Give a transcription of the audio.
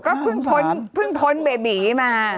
ก็พึ่งทนเบบีมา